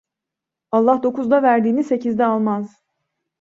Allah dokuzda verdiğini sekizde almaz.